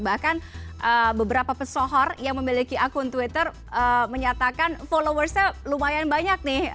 bahkan beberapa pesohor yang memiliki akun twitter menyatakan followersnya lumayan banyak nih